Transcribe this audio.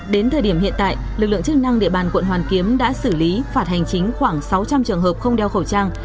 đến thời điểm hiện tại lực lượng chức năng địa bàn quận hoàn kiếm đã xử lý phạt hành chính khoảng sáu trăm linh trường hợp không đeo khẩu trang